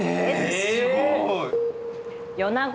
えすごい！